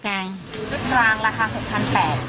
ชุดกลางราคา๖๘๐๐บาท